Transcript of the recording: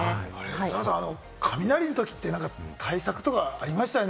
澤さん、雷のときとかって対策とかありましたよね。